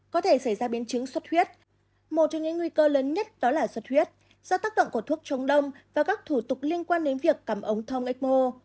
một trong những nguy cơ lớn nhất đó là suất huyết do tác động của thuốc chống đông và các thủ tục liên quan đến việc cắm ống thông ecmo